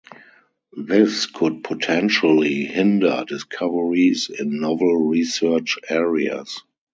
This could potentially hinder discoveries in novel research areas.